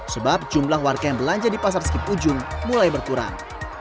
sebab jumlah warga yang belanja di pasar skip ujung mulai berkurang